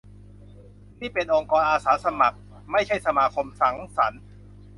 นี่เป็นองค์กรอาสาสมัคร ไม่ใช่สมาคมสังสรรค์